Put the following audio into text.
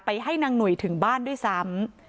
ให้นางหนุ่ยถึงบ้านด้วยซ้ำ